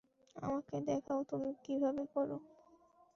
আমাকে দেখাও, তুমি কীভাবে কর।